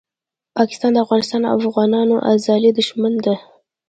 پاکستان دافغانستان او افغانانو ازلي دښمن ده